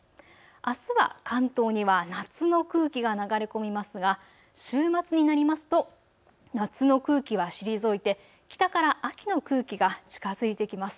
あすは関東には夏の空気が流れ込みますが週末になりますと夏の空気は退いて北から秋の空気が近づいてきます。